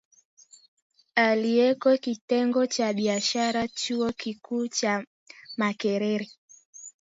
aliyeko Kitengo cha Biashara Chuo Kikuu cha Makerere